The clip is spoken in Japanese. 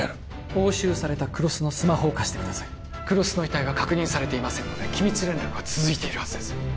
押収された黒須のスマホを貸してください黒須の遺体は確認されていませんので機密連絡は続いているはずです